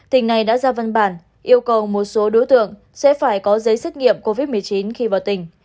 tỉnh này đã ra văn bản yêu cầu một số đối tượng sẽ phải có giấy xét nghiệm covid một mươi chín khi vào tỉnh